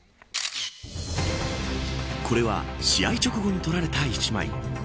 これは試合直後に撮られた１枚。